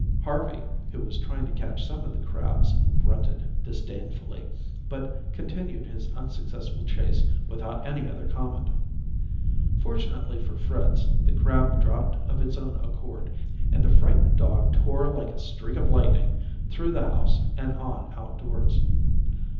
Harvey, who was trying to catch some of the crabs, grunted disdainfully, but continued his unsuccessful chase without any other comment. Fortunately for Fritz, the crab dropped of its own accord, and the frightened dog tore like a streak of lightning through the house and on outdoors.